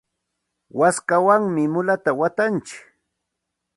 waskawanmi mulata watantsik.